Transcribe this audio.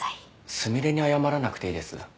純恋に謝らなくていいです。